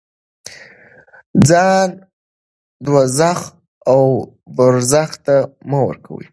ځان دوزخ او برزخ ته مه ورکوئ.